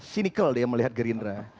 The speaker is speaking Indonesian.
sinical dia melihat gerindra